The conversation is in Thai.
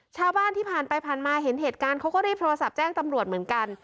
ชาวบ้านที่ผ่านไปผ่านมาเห็นเหตุการณ์เขาก็รีบโทรศัพท์แจ้งตำรวจเหมือนกัน